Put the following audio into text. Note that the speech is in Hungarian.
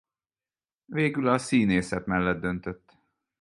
Végül a színészet mellett döntött.